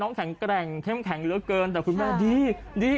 แข็งแกร่งเข้มแข็งเหลือเกินแต่คุณแม่ดีดี